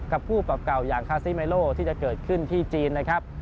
กับผู้ปรับเก่าอย่างคาซีเมโลที่จะเกิดขึ้นที่จีนนะครับ